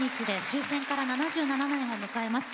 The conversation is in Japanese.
終戦から７７年を迎えます。